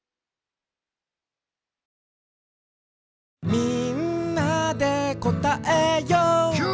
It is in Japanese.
「みんなでこたえよう」キュー！